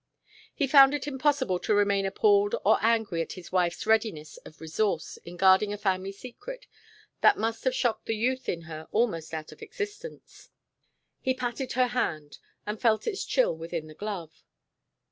He found it impossible to remain appalled or angry at his wife's readiness of resource in guarding a family secret that must have shocked the youth in her almost out of existence. He patted her hand, and felt its chill within the glove.